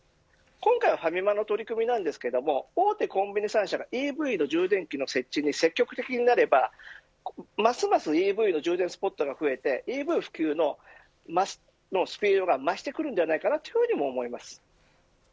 今回のファミマの取り組みですが大手コンビニ３社がＥＶの充電器の設置に積極的なればますますＥＶの充電スポットが増えてＥＶ普及のスピードが増してくると思います。